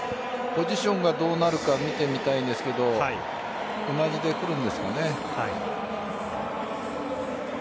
ポジションがどうなるか見てみたいんですが同じで来るんですかね。